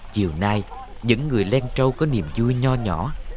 chiều nay những người len trâu có niềm vui nhỏ nhỏ